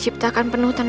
ibu akan bahas